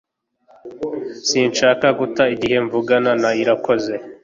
Sinshaka guta igihe mvugana na Irakoze